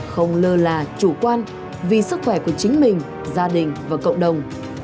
không lơ là chủ quan vì sức khỏe của chính mình gia đình và cộng đồng